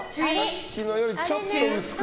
さっきのよりちょっと薄く。